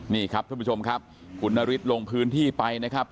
นี่ครับท่านผู้ชมครับคุณนฤทธิ์ลงพื้นที่ไปนะครับ